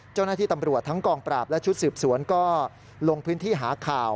เจ้าหน้าที่ตำรวจทั้งกองปราบและชุดสืบสวนก็ลงพื้นที่หาข่าว